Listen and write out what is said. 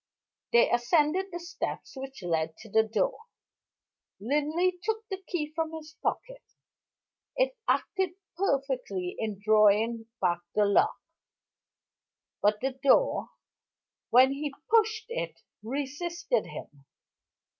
They ascended the steps which led to the door. Linley took the key from his pocket. It acted perfectly in drawing back the lock; but the door, when he pushed it, resisted him.